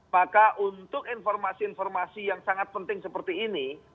maka untuk informasi informasi yang sangat penting seperti ini